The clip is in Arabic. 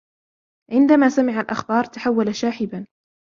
عندما سَمِعَ الأخبار, تحولَ شاحباً.